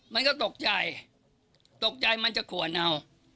มันก็ตกใจตกใจมันจะขวนเอา